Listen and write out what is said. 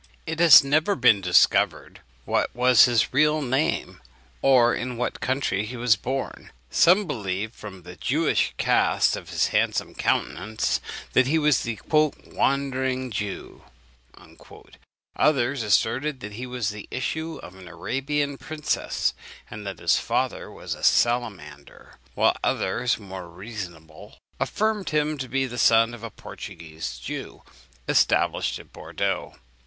It has never yet been discovered what was his real name, or in what country he was born. Some believed, from the Jewish cast of his handsome countenance, that he was the "wandering Jew;" others asserted that he was the issue of an Arabian princess, and that his father was a salamander; while others, more reasonable, affirmed him to be the son of a Portuguese Jew established at Bourdeaux.